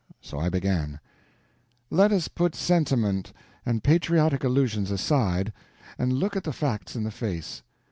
So I began: "Let us put sentiment and patriotic illusions aside, and look at the facts in the face.